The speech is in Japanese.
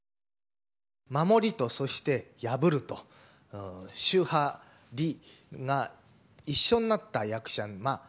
守りと、そして破ると守破離が一緒になった役者。